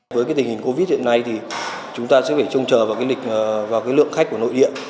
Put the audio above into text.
với tình hình covid hiện nay thì chúng ta sẽ phải trông chờ vào lượng khách của nội địa